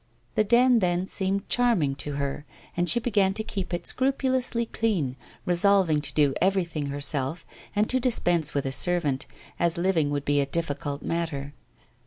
The den then seemed charming to her, and she began to keep it scrupulously clean, resolving to do everything herself, and to dispense with a servant, as living would be a difficult matter.